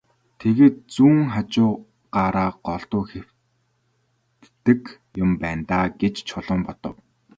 Тэгээд зүүн хажуугаараа голдуу хэвтдэг юм байна даа гэж Чулуун бодов.